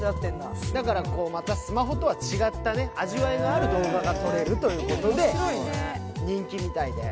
だからまたスマホとは違った味わいのある動画が撮れるということで人気みたいです。